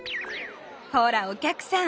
ほらお客さん